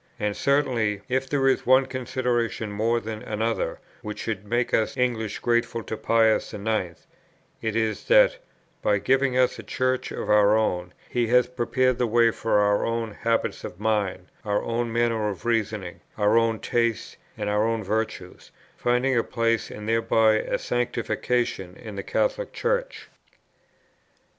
And certainly, if there is one consideration more than another which should make us English grateful to Pius the Ninth, it is that, by giving us a Church of our own, he has prepared the way for our own habits of mind, our own manner of reasoning, our own tastes, and our own virtues, finding a place and thereby a sanctification, in the Catholic Church.